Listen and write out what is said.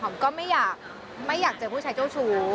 ก็ไม่อยากเจอผู้ชายเจ้าชู้